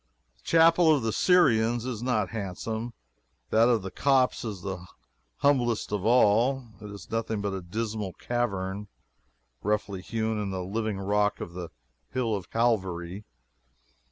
The chapel of the Syrians is not handsome; that of the Copts is the humblest of them all. It is nothing but a dismal cavern, roughly hewn in the living rock of the Hill of Calvary.